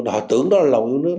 họ tưởng đó là lòng yêu nước